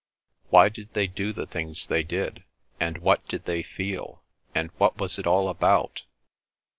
Why did they do the things they did, and what did they feel, and what was it all about?